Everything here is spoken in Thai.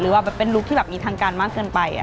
แบบเป็นลุคที่แบบมีทางการมากเกินไป